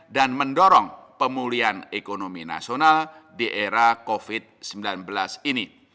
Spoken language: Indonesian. dan mendorong pemulihan ekonomi nasional di era covid sembilan belas ini